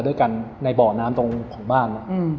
ด้วยกันในบ่อน้ำตรงของบ้าน